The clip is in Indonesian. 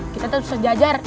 kita tetap sejajar